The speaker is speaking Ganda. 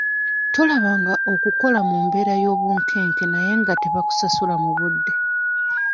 Tolabanga okukola mu mbeera y'obunkenke naye nga tebakusasula mu budde.